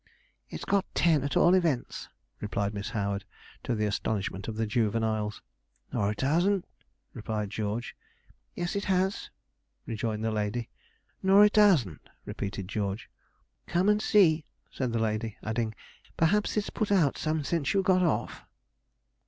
'It's got ten, at all events,' replied Miss Howard, to the astonishment of the juveniles. 'Nor, it hasn't,' replied George. 'Yes, it has,' rejoined the lady. 'Nor, it hasn't,' repeated George. 'Come and see,' said the lady; adding, 'perhaps it's put out some since you got off.'